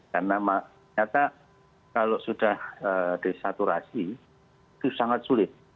karena ternyata kalau sudah desaturasi itu sangat sulit